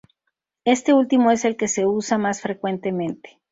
Este último es el que se usa más frecuentemente.